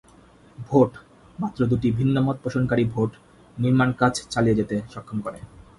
Vote - মাত্র দুটি ভিন্নমত পোষণকারী ভোট - নির্মাণ কাজ চালিয়ে যেতে সক্ষম করে।